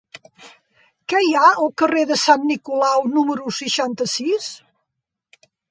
Què hi ha al carrer de Sant Nicolau número seixanta-sis?